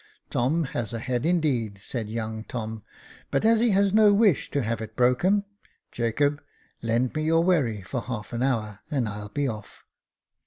" Tom has a head, indeed," said young Tom, " but as he has no wish to have it broken, Jacob, lend me your wherry for half an hour, and I'll be off."